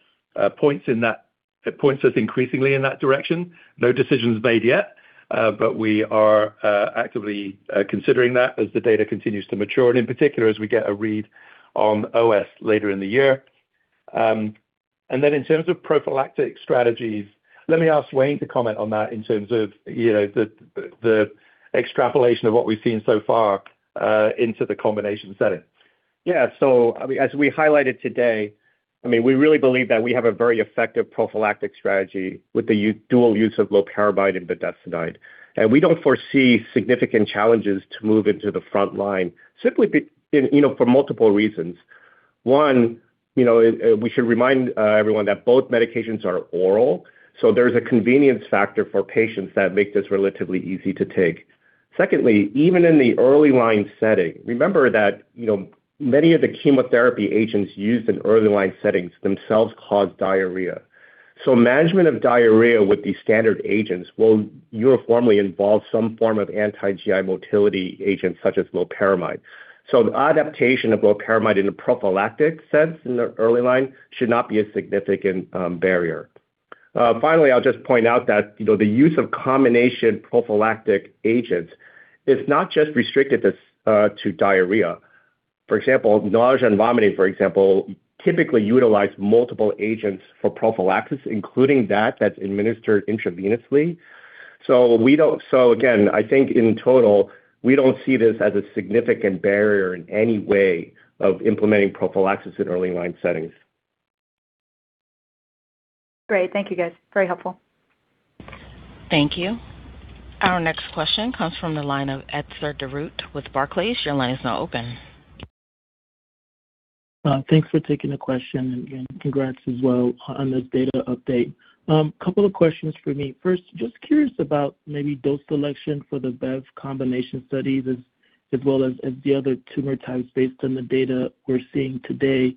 C: points us increasingly in that direction. No decisions made yet, but we are actively considering that as the data continues to mature, and in particular, as we get a read on OS later in the year. And then in terms of prophylactic strategies, let me ask Wayne to comment on that in terms of, you know, the extrapolation of what we've seen so far into the combination setting.
D: Yeah. I mean, as we highlighted today, I mean, we really believe that we have a very effective prophylactic strategy with the dual use of loperamide and budesonide. We don't foresee significant challenges to move into the front line and, you know, for multiple reasons. One, you know, we should remind everyone that both medications are oral, so there's a convenience factor for patients that make this relatively easy to take. Secondly, even in the early line setting, remember that, you know, many of the chemotherapy agents used in early line settings themselves cause diarrhea. So management of diarrhea with these standard agents will uniformly involve some form of anti-GI motility agent such as loperamide. So the adaptation of loperamide in a prophylactic sense in the early line should not be a significant barrier. Finally, I'll just point out that, you know, the use of combination prophylactic agents is not just restricted to diarrhea. For example, nausea and vomiting, for example, typically utilize multiple agents for prophylaxis, including that that's administered intravenously. So again, I think in total, we don't see this as a significant barrier in any way of implementing prophylaxis in early line settings.
I: Great. Thank you, guys. Very helpful.
A: Thank you. Our next question comes from the line of Etzer Darout with Barclays. Your line is now open.
J: Thanks for taking the question, and congrats as well on this data update. Couple of questions from me. First, just curious about maybe dose selection for the bev combination studies as well as the other tumor types based on the data we're seeing today.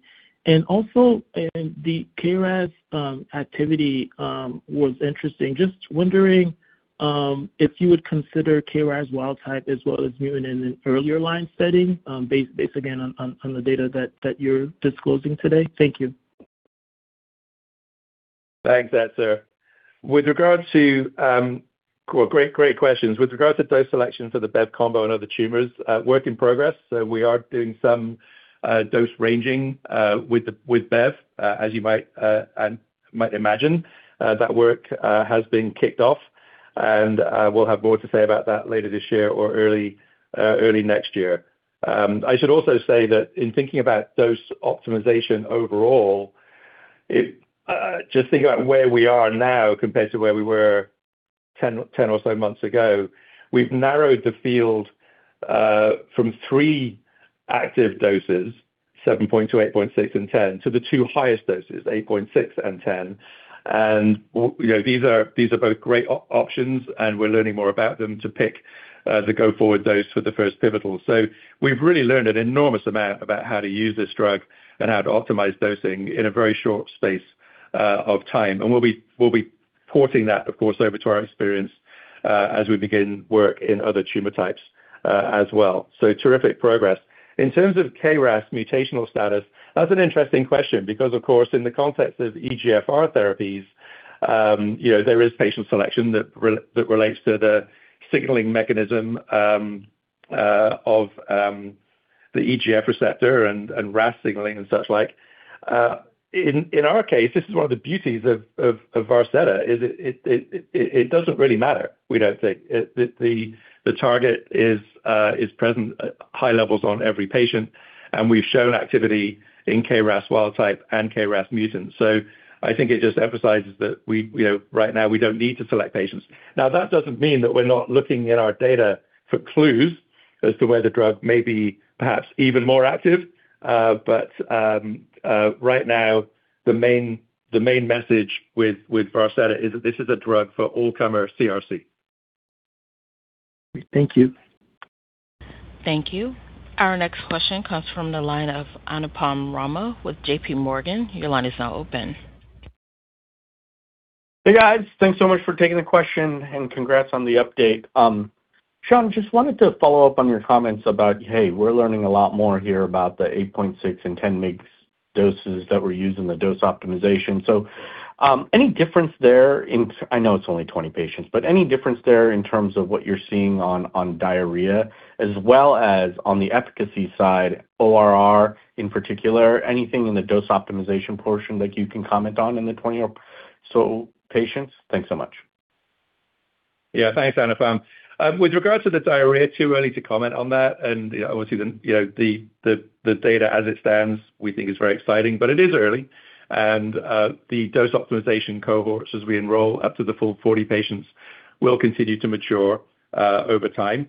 J: Also in the KRAS activity was interesting. Just wondering if you would consider KRAS wild type as well as mutant in an earlier line setting based again on the data that you're disclosing today. Thank you.
C: Thanks, Etzer. Great questions. With regards to dose selection for the bev combo and other tumors, work in progress. We are doing some dose ranging with bev. As you might imagine, that work has been kicked off, and we'll have more to say about that later this year or early next year. I should also say that in thinking about dose optimization overall, it just think about where we are now compared to where we were 10 or so months ago. We've narrowed the field from three active doses, 7 mg/kg-8.6 mg/kg and 10 mg/kg, to the two highest doses, 8.6 mg/kg and 10 mg/kg. You know, these are both great options, and we're learning more about them to pick the go-forward dose for the first pivotal. We've really learned an enormous amount about how to use this drug and how to optimize dosing in a very short space of time. We'll be porting that, of course, over to our experience as we begin work in other tumor types as well. Terrific progress. In terms of KRAS mutational status, that's an interesting question because, of course, in the context of EGFR therapies, you know, there is patient selection that relates to the signaling mechanism of the EGF Receptor and RAS signaling and such like. In our case, this is one of the beauties of Varseta. It doesn't really matter, we don't think. The target is present at high levels on every patient, and we've shown activity in KRAS wild type and KRAS mutants. I think it just emphasizes that we, you know, right now we don't need to select patients. Now, that doesn't mean that we're not looking at our data for clues as to where the drug may be perhaps even more active. Right now, the main message with Varseta is that this is a drug for all comer CRC.
J: Thank you.
A: Thank you. Our next question comes from the line of Anupam Rama with JPMorgan. Your line is now open.
K: Hey, guys. Thanks so much for taking the question and congrats on the update. Sean, just wanted to follow up on your comments about, hey, we're learning a lot more here about the 8.6 mg/kg and 10 mg/kg doses that were used in the dose optimization. Any difference there in I know it's only 20 patients, but any difference there in terms of what you're seeing on diarrhea as well as on the efficacy side, ORR in particular, anything in the dose optimization portion that you can comment on in the 20 or so patients? Thanks so much.
C: Yeah. Thanks, Anupam. With regards to the diarrhea, too early to comment on that. Obviously, the data as it stands, we think is very exciting, but it is early. The dose optimization cohorts, as we enroll up to the full 40 patients, will continue to mature over time.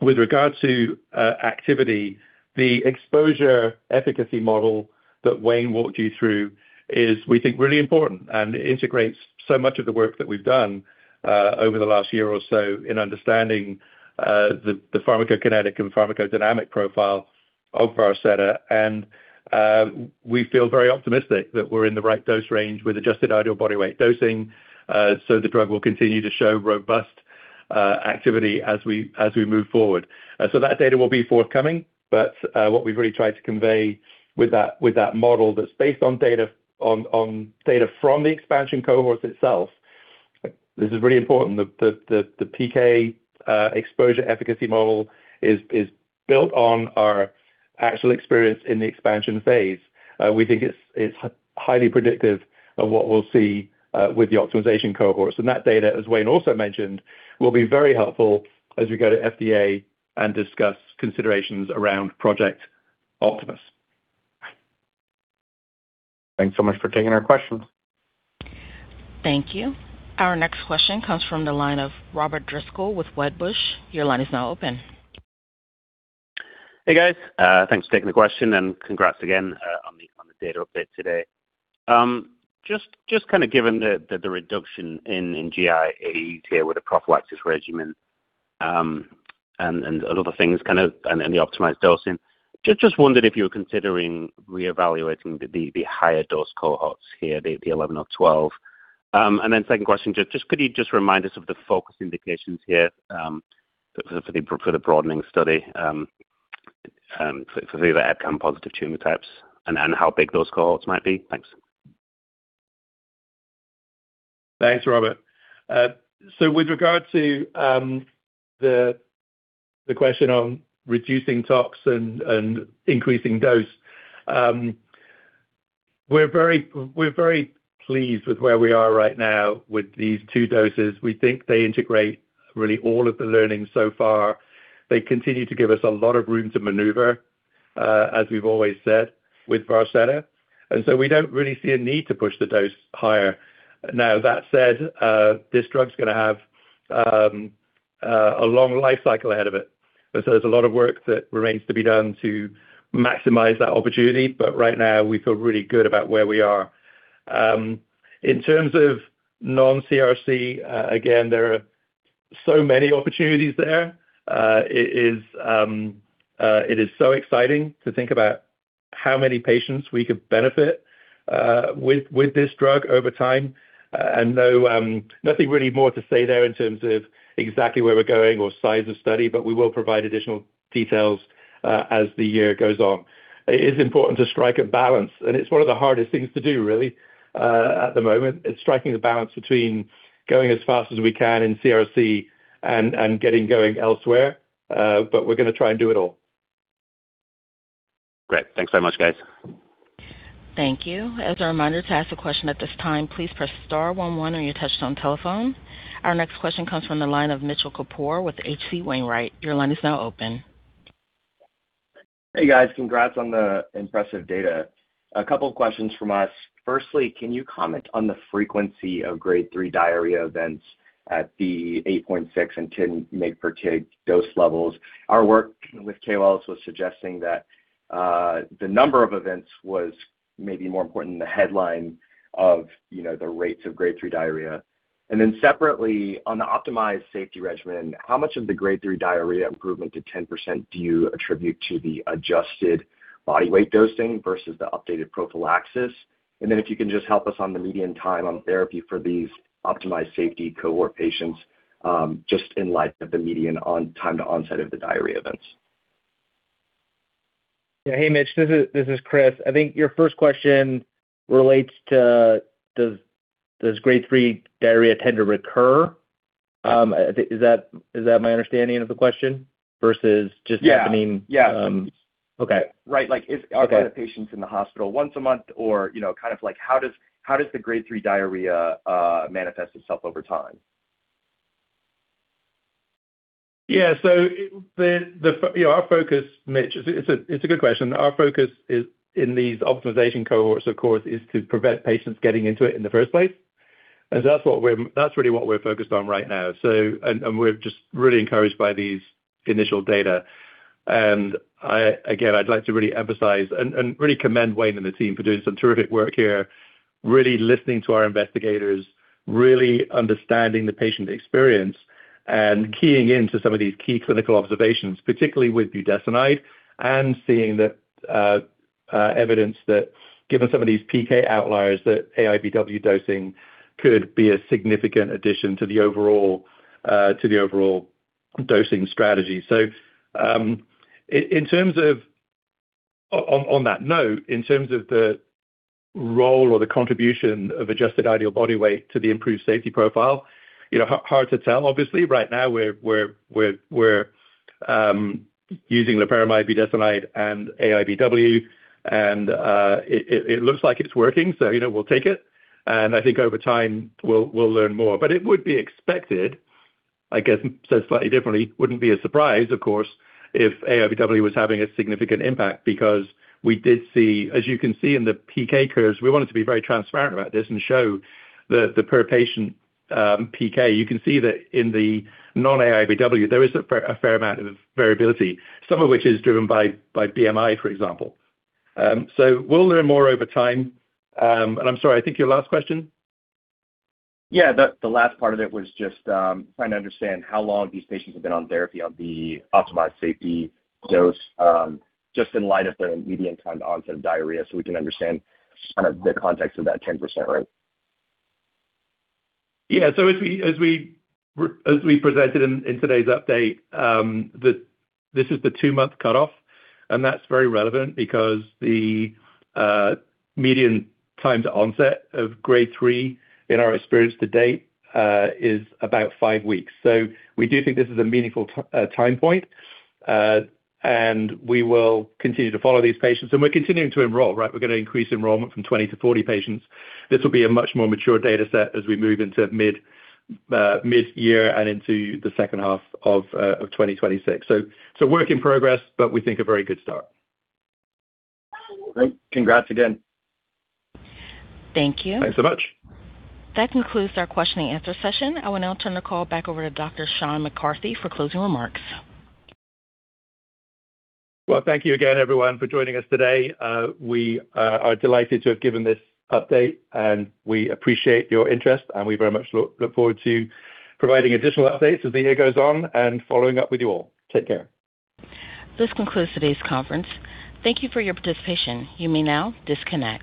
C: With regards to activity, the exposure efficacy model that Wayne walked you through is, we think, really important, and it integrates so much of the work that we've done over the last year or so in understanding the pharmacokinetic and pharmacodynamic profile of Varseta. We feel very optimistic that we're in the right dose range with adjusted ideal body weight dosing. The drug will continue to show robust activity as we move forward. That data will be forthcoming. What we've really tried to convey with that model that's based on data from the expansion cohorts itself, this is really important. The PK exposure efficacy model is built on our actual experience in the expansion phase. We think it's highly predictive of what we'll see with the optimization cohorts. That data, as Wayne also mentioned, will be very helpful as we go to FDA and discuss considerations around Project Optimus.
K: Thanks so much for taking our questions.
A: Thank you. Our next question comes from the line of Robert Driscoll with Wedbush. Your line is now open.
L: Hey, guys. Thanks for taking the question, and congrats again on the data update today. Just kind of given the reduction in GI AE here with the prophylaxis regimen, and other things kind of and the optimized dosing, just wondered if you were considering reevaluating the higher dose cohorts here, the 11 mg/kg or 12 mg/kg. Then second question, just could you remind us of the focus indications here, for the broadening study, for the outcome positive tumor types and how big those cohorts might be? Thanks.
C: Thanks, Robert. With regard to the question on reducing tox and increasing dose, we're very pleased with where we are right now with these two doses. We think they integrate really all of the learning so far. They continue to give us a lot of room to maneuver, as we've always said, with Varseta-M. We don't really see a need to push the dose higher. Now, that said, this drug's gonna have a long life cycle ahead of it. There's a lot of work that remains to be done to maximize that opportunity. Right now, we feel really good about where we are. In terms of non-CRC, again, there are so many opportunities there. It is so exciting to think about how many patients we could benefit with this drug over time. Nothing really more to say there in terms of exactly where we're going or size of study, but we will provide additional details as the year goes on. It is important to strike a balance, and it's one of the hardest things to do, really, at the moment. It's striking a balance between going as fast as we can in CRC and getting going elsewhere, but we're gonna try and do it all.
L: Great. Thanks so much, guys.
A: Thank you. As a reminder, to ask a question at this time, please press star one one on your touchtone telephone. Our next question comes from the line of Mitchell Kapoor with H.C. Wainwright. Your line is now open.
M: Hey, guys. Congrats on the impressive data. A couple of questions from us. Firstly, can you comment on the frequency of grade 3 diarrhea events at the 8.6 mg/kg and 10 mg/kg dose levels? Our work with KOL was suggesting that, the number of events was maybe more important than the headline of, you know, the rates of grade 3 diarrhea. Then separately, on the optimized safety regimen, how much of the grade 3 diarrhea improvement to 10% do you attribute to the adjusted body weight dosing versus the updated prophylaxis? If you can just help us on the median time on therapy for these optimized safety cohort patients, just in light of the median time to onset of the diarrhea events.
B: Yeah. Hey, Mitch. This is Chris. I think your first question relates to does grade 3 diarrhea tend to recur? Is that my understanding of the question versus just happening?
M: Yeah. Yeah.
B: Okay.
M: Right. Like,
B: Okay.
M: Are the patients in the hospital once a month or, you know, kind of like, how does the grade 3 diarrhea manifest itself over time?
C: You know, our focus, Mitch, it's a good question. Our focus is, in these optimization cohorts, of course, to prevent patients getting into it in the first place. That's really what we're focused on right now. We're just really encouraged by these initial data. I again, I'd like to really emphasize and really commend Wayne and the team for doing some terrific work here, really listening to our investigators, really understanding the patient experience and keying in to some of these key clinical observations, particularly with budesonide and seeing that evidence that given some of these PK outliers, that AIBW dosing could be a significant addition to the overall dosing strategy. In terms of the role or the contribution of adjusted ideal body weight to the improved safety profile, you know, hard to tell. Obviously, right now we're using loperamide budesonide and AIBW, and it looks like it's working, so, you know, we'll take it. I think over time we'll learn more. It would be expected, I guess, said slightly differently, wouldn't be a surprise, of course, if AIBW was having a significant impact because we did see. As you can see in the PK curves, we wanted to be very transparent about this and show the per patient PK. You can see that in the non-AIBW there is a fair amount of variability, some of which is driven by BMI, for example. We'll learn more over time. I'm sorry, I think your last question.
M: Yeah. The last part of it was just trying to understand how long these patients have been on therapy on the optimized safety dose, just in light of their median time to onset of diarrhea, so we can understand kind of the context of that 10% rate.
C: Yeah. As we presented in today's update, this is the two-month cutoff, and that's very relevant because the median time to onset of grade 3 in our experience to date is about five weeks. We do think this is a meaningful time point. We will continue to follow these patients. We're continuing to enroll, right? We're gonna increase enrollment from 20 to 40 patients. This will be a much more mature data set as we move into midyear and into the H2 of 2026. Work in progress, but we think a very good start.
M: Great. Congrats again.
A: Thank you.
C: Thanks so much.
A: That concludes our question and answer session. I will now turn the call back over to Dr. Sean McCarthy for closing remarks.
C: Well, thank you again, everyone, for joining us today. We are delighted to have given this update, and we appreciate your interest, and we very much look forward to providing additional updates as the year goes on and following up with you all. Take care.
A: This concludes today's conference. Thank you for your participation. You may now disconnect.